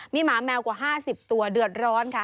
มีหมาแมวกว่า๕๐ตัวเดือดร้อนค่ะ